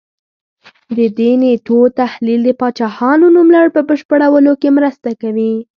د دې نېټو تحلیل د پاچاهانو نوملړ په بشپړولو کې مرسته کوي